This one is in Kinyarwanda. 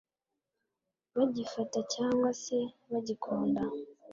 bagifata cyangwa se bagikunda